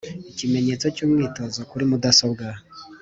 Ikimenyetso cy’umwitozo kuri mudasobwa